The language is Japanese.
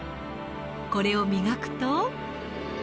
これを磨くと。